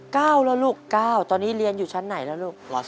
แล้วลูกเก้าตอนนี้เรียนอยู่ชั้นไหนแล้วลูก